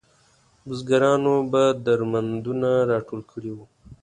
بزګرانو به درمندونه راټول کړي وو.